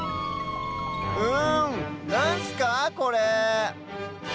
うんなんすかこれ？